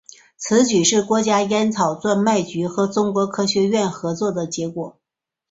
此举是国家烟草专卖局和中国科学院合作的结果。